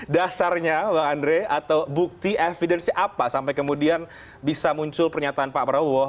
dasarnya bang andre atau bukti evidence nya apa sampai kemudian bisa muncul pernyataan pak prabowo